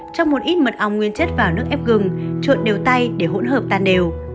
trong một ít mật ong nguyên chất vào nước ép gừng trộn đều tay để hỗn hợp tan đều